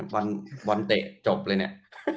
บอลเตะจบเลยเนี่ย